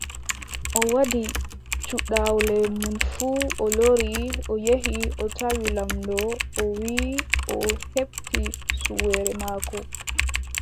O waɗi cuɗawle mum fuu o lori, o yehi, o tawi laamɗo o wiʼi o heɓti suweere maako.